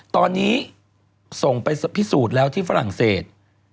ตอนนี้ส่งไปพิสูจน์แล้วที่ฝรั่งเศส